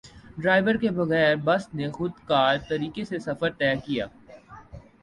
driver کے بغیر bus نے خودکار طریقے سے سفر طے کیا